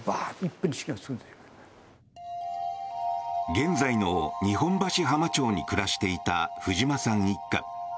現在の日本橋浜町に暮らしていた藤間さん一家。